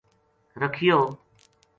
رکھیو